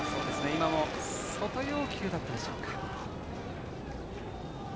今のは外要求だったでしょうか。